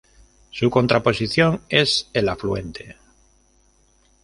Su contraposición es el afluente.